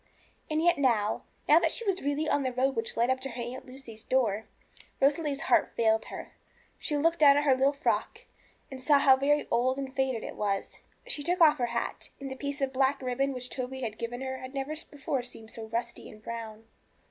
And yet now now that she was really on the road which led up to her Aunt Lucy's door Rosalie's heart failed her. She looked down at her little frock, and saw how very old and faded it was. She took off her hat, and the piece of black ribbon which Toby had given her had never before seemed so rusty and brown.